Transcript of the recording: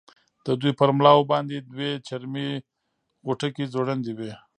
د دوی پر ملاو باندې دوې چرمي غوټکۍ ځوړندې وې.